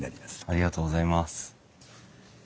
ありがとうございます。